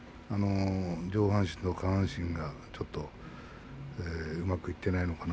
上半身と下半身がちょっとうまくいっていないのかな